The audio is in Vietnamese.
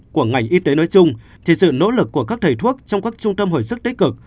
của ngành y tế nói chung thì sự nỗ lực của các thầy thuốc trong các trung tâm hồi sức tích cực